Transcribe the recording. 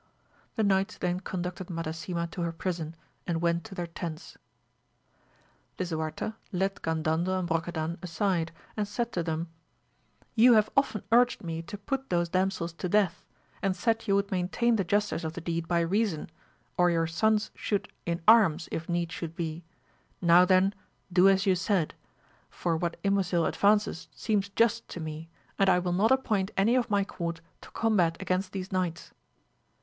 The knights then conducted Madasima to her prison and went to their tents. Lisuarte led Gandandel and Brocadan aside, and said to them, you have often urged me to put those damsels to death, and said you would maintain the justice of the deed by reason, or your sons should in arms, if need should be, now then do as you said, for what Ymosil advances seems just to me, and I will not appoint any of my court to combat against these knights.